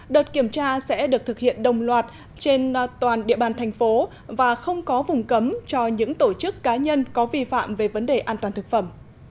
đợt kiểm tra sẽ được thực hiện đồng loạt trên toàn địa bàn thành phố và không có vùng cấm cho những tổ chức cá nhân có vi phạm về vấn đề an toàn thực phẩm